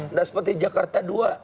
nggak seperti jakarta dua